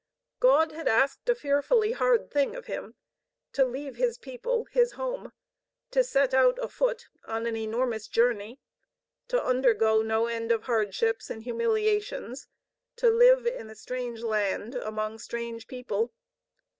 God asked a fearfully hard thing of him; to leave his people, his home; to set out afoot on an enormous journey; to undergo no end of hardships and humiliations; to live in a strange land, among strange people.